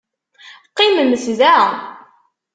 Qqimemt da!